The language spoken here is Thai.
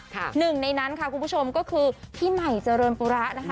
หนึ่งในนั้นค่ะคุณผู้ชมก็คือพี่ใหม่เจริญปุระนะคะ